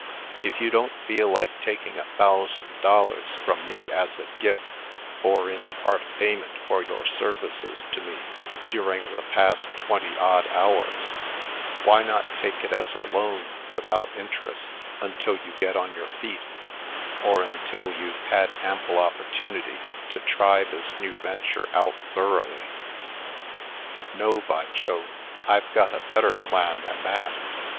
If you don't feel like taking a thousand dollars from me as a gift, or in part payment for your services to me during the past twenty odd hours, why not take it as a loan without interest until ^o\x get on your feet, or until you've had ample opportunity to try this new venture out thoroughly — No, by Jove, I've got a better plan than that!